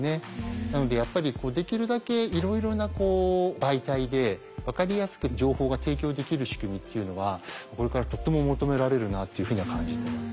なのでやっぱりできるだけいろいろな媒体でわかりやすく情報が提供できる仕組みっていうのはこれからとっても求められるなっていうふうには感じてます。